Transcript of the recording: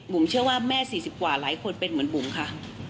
เชื่อว่าแม่๔๐กว่าหลายคนเป็นเหมือนบุ๋มค่ะ